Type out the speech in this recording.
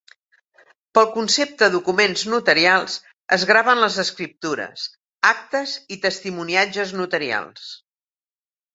Pel concepte documents notarials es graven les escriptures, actes i testimoniatges notarials.